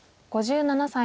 ５７歳。